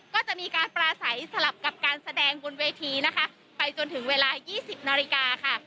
ก็จะมีการปลาใสสลับกับการแสดงบนเวทีนะคะไปจนถึงเวลา๒๐นาฬิกาค่ะ